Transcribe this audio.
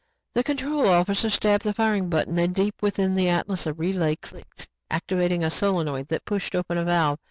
The control officer stabbed the firing button and deep within the Atlas a relay clicked, activating a solenoid that pushed open a valve.